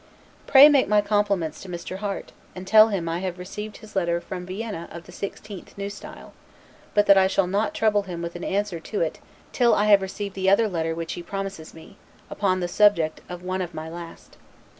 Pray make my compliments to Mr. Harte, and tell him I have received his letter from Vienna of the 16th N. S., but that I shall not trouble him with an answer to it till I have received the other letter which he promises me, upon the subject of one of my last.